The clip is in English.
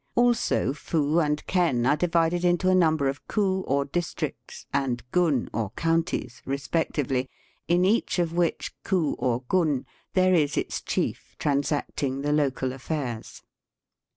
Also fu and ken are divided into a number of ku, or districts, and gun, or counties, respec tively, in each of which ku or gun there is its chief transacting the local affairs.